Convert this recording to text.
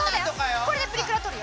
これでプリクラ撮るよ。